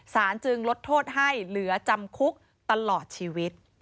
จึงลดโทษให้เหลือจำคุกตลอดชีวิต